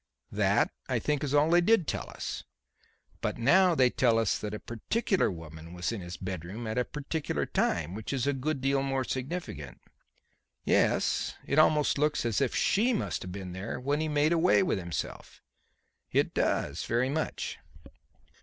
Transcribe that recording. "That, I think, is all that they did tell us. But now they tell us that a particular woman was in his bedroom at a particular time, which is a good deal more significant." "Yes. It almost looks as if she must have been there when he made away with himself." "It does, very much."